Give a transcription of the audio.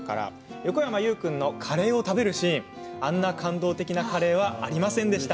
横山裕君のカレーを食べるシーンあんな感動的なカレーはありませんでした。